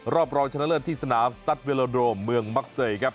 รอบรองชนะเลิศที่สนามสตาร์ทเวลโดรมเมืองมักเศสครับ